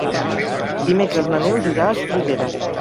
Dimecres na Neus irà a Soriguera.